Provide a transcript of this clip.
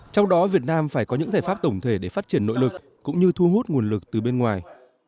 trong đó việt nam phải có những giải pháp tổng thể để phát triển nội lực cũng như thu hút nguồn lực từ bên ngoài